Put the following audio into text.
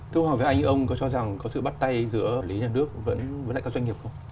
thưa ông với anh ông có cho rằng có sự bắt tay giữa lý nhà nước với lại các doanh nghiệp không